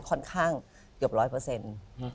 ค่อนข้างเกือบร้อยเปอร์เซ็นต์